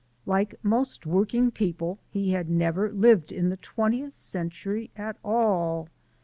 Like most working people he had never lived in the twentieth century at all.